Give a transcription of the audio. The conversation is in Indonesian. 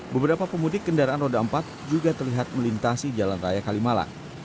beberapa pemudik kendaraan roda empat juga terlihat melintasi jalan raya kalimalang